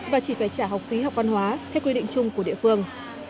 và chỉ phải trả học phí học văn hóa theo quy định chung của địa phương